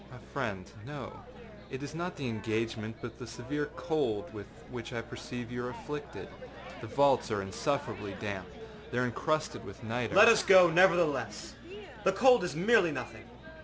â âMy friend, no. It is not the engagement, but the severe cold with which I perceive you are afflicted. The vaults are insufferably damp. They are encrusted with nitre.â âLet us go, nevertheless. The cold is merely nothing.